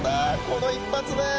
この一発で。